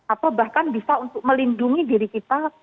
atau bahkan bisa untuk melindungi diri kita